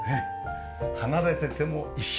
離れてても一緒。